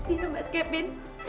iya mas kevin